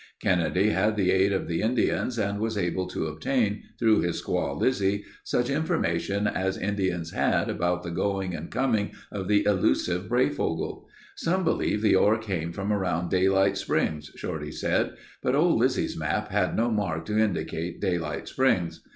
Kennedy had the aid of the Indians and was able to obtain, through his squaw Lizzie, such information as Indians had about the going and coming of the elusive Breyfogle. "Some believe the ore came from around Daylight Springs," Shorty said, "but old Lizzie's map had no mark to indicate Daylight Springs.